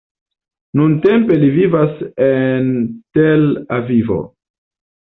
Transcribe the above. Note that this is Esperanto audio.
Nuntempe li vivas en Tel Avivo.